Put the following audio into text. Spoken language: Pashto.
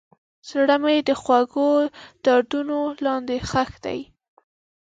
زړه مې د خوږو دردونو لاندې ښخ دی.